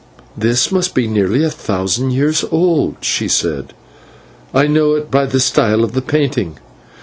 "This must be nearly a thousand years old," she said; "I know it by the style of the painting.